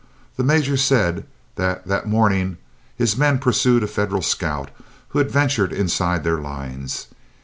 The Major said that that morning his men pursued a Federal scout who had ventured inside their lines.